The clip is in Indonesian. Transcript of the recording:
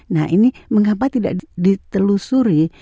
nah ini mengapa tidak ditelusuri